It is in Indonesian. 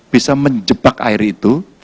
bisa menjebak air itu